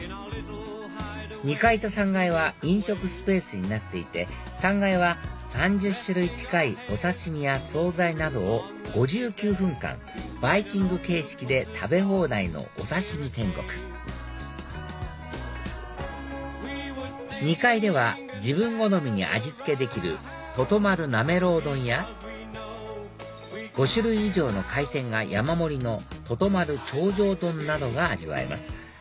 ２階と３階は飲食スペースになっていて３階は３０種類近いお刺し身や総菜などを５９分間バイキング形式で食べ放題のおさしみ天国２階では自分好みに味付けできるとと丸なめろう丼や５種類以上の海鮮が山盛りのとと丸頂上丼などが味わえます